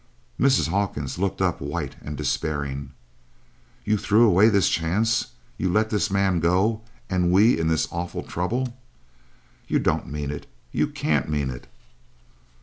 Mrs. Hawkins looked up white and despairing: "You threw away this chance, you let this man go, and we in this awful trouble? You don't mean it, you can't mean it!"